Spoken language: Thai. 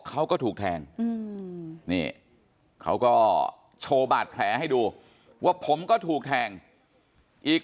เขาก็ถูกแทงนี่เขาก็โชว์บาดแผลให้ดูว่าผมก็ถูกแทงอีก